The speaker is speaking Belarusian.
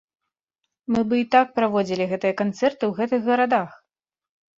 Мы бы і так праводзілі гэтыя канцэрты ў гэтых гарадах!